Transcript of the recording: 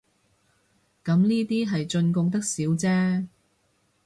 咁呢啲係進貢得少姐